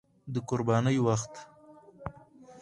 د قربانۍ وخت